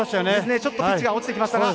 ちょっとピッチが落ちてきました。